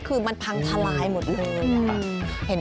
คือมันพังทลายหมดเลย